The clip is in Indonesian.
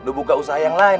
udah buka usaha yang lain